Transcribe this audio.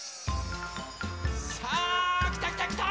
さあきたきたきた！